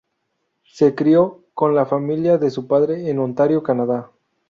Se crio con la familia de su padre en Ontario, Canadá.